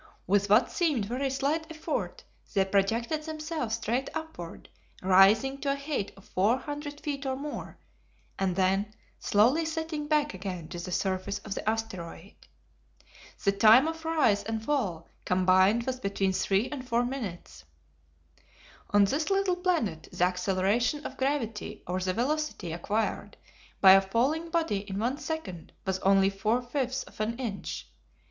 With what seemed very slight effort they projected themselves straight upward, rising to a height of four hundred feet or more, and then slowly settling back again to the surface of the asteroid. The time of rise and fall combined was between three and four minutes. On this little planet the acceleration of gravity or the velocity acquired by a falling body in one second was only four fifths of an inch.